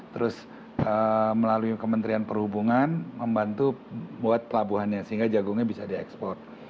terus melalui kementerian perhubungan membantu buat pelabuhannya sehingga jagungnya bisa diekspor